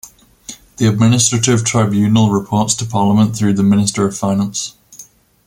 The administrative tribunal reports to Parliament through the Minister of Finance.